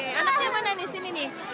oke anaknya mana di sini nih